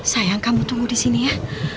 sayang kamu tunggu di sini ya